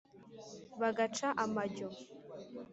bagaca amajyo.